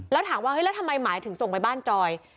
แล้วถามว่าเฮ้ยแล้วทำไมหมายถึงส่งไปบ้านจอย